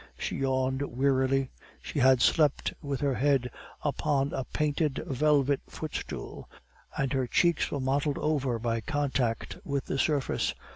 She yawned wearily. She had slept with her head upon a painted velvet footstool, and her cheeks were mottled over by contact with the surface.